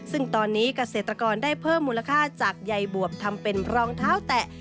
ซึ่งตอนนี้เกษตรกรได้เพิ่มมูลค่าจากใยบวบทำเป็นรองเท้าแตะ